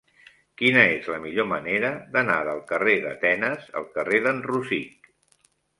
Quina és la millor manera d'anar del carrer d'Atenes al carrer d'en Rosic?